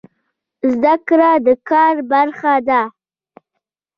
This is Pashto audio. زده کړه د کار برخه ده